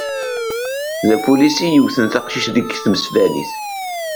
D apulis i yewten taqcict deg temesbanit.